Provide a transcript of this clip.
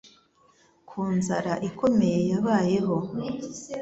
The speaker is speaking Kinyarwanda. ku nzara ikomeye yabayeho